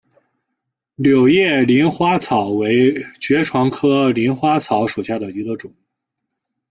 柳叶鳞花草为爵床科鳞花草属下的一个种。